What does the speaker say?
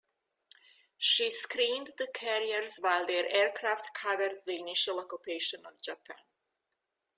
She screened the carriers while their aircraft covered the initial occupation of Japan.